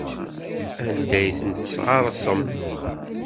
Anda ay ten-tesɣersem?